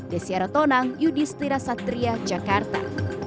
desyara tonang yudhistira satria jakarta